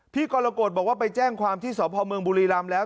กรกฎบอกว่าไปแจ้งความที่สพเมืองบุรีรำแล้ว